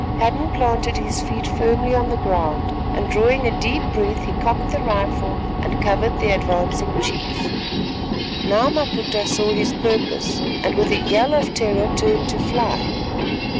Hadden planted his feet firmly on the ground and drawing a deep breath, he cocked the rifle and covered the advancing chief. Now Maputa saw his purpose and with a yell of terror turned to fly.